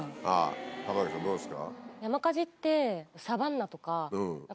門脇さんどうですか？